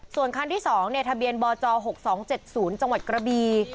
ส่วนคันที่สองเนี้ยทะเบียนบอร์จอหกสองเจ็ดศูนย์จังหวัดกระบี